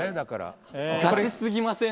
ガチすぎません？